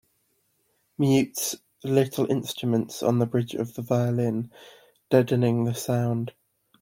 Mutes little instruments on the bridge of the violin, deadening the sound.